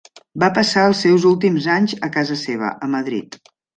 Va passar els seus últims anys a casa seva, a Madrid.